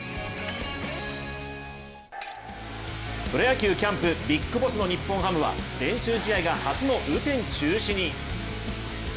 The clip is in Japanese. プロ野球キャンプ、ビッグボスの日本ハムは練習試合が初の雨天中止に。